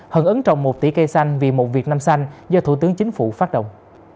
hận ấn trọng một tỷ cây xanh vì một việt nam xanh do thủ tướng chính phủ phát động